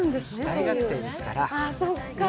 大学生ですから。